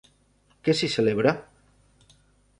Què s'hi celebra?